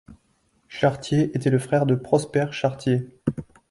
Chartier était le frère de Prosper Chartier.